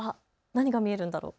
何が見えるんだろう。